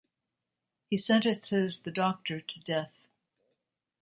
He sentences the Doctor to death.